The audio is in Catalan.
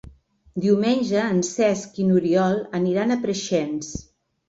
Diumenge en Cesc i n'Oriol aniran a Preixens.